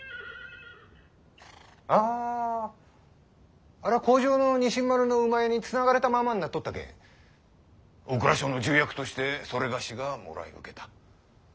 ・あぁありゃあ皇城の西ん丸の厩につながれたままになっとったけん大蔵省の重役として某がもらい受けた。